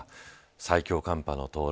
最強寒波の到来。